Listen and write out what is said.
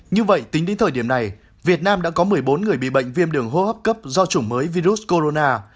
như vậy tính đến thời điểm này việt nam đã có một mươi bốn người bị bệnh viêm đường hô hấp cấp do chủng mới virus corona